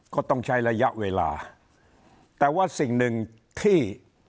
ก็ต้องใช้ระยะเวลาแต่ว่าสิ่งหนึ่งที่